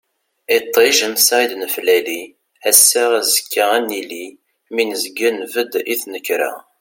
Iṭij ansa i d-neflali, ass-a azekka ad nili, mi nezga nbedd i tnekra.